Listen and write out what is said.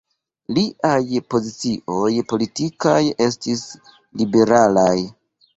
Liaj pozicioj politikaj estis liberalaj.